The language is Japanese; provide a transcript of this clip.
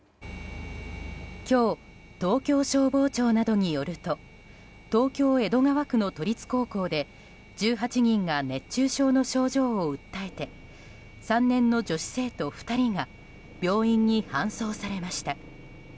今日、東京消防庁などによると東京・江戸川区の都立高校で１８人が熱中症の症状を訴えて３年の女子生徒２人が病院に搬送されました。